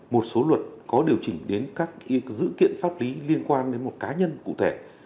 một số luật có điều chỉnh đến các dự kiện pháp lý liên quan đến một cá nhân cụ thể